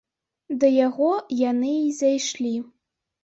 Да яго яны і зайшлі.